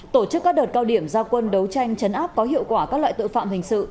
tổ chức các đợt cao điểm giao quân đấu tranh chấn áp có hiệu quả các loại tội phạm hình sự